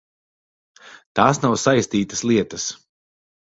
Tās nav saistītas lietas.